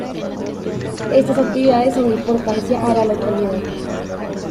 Estas actividades son de importancia a la localidad.